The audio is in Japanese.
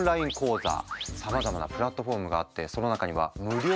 さまざまなプラットフォームがあってその中には無料のものまであるんだって。